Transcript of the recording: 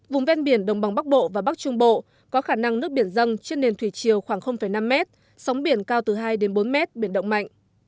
vùng ven biển đồng bằng bắc bộ và bắc trung bộ có khả năng nước biển dâng trên nền thủy chiều khoảng năm mét sóng biển cao từ hai đến bốn mét biển động mạnh